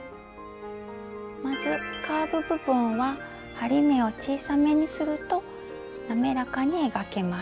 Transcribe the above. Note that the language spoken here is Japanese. まずカーブ部分は針目を小さめにするとなめらかに描けます。